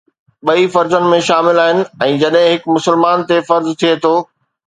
ٻئي فرضن ۾ شامل آهن ۽ جڏهن هڪ مسلمان تي فرض ٿئي ٿو.